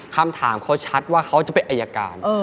คำถามเขาชัดว่าเขาจะเป็นอายการ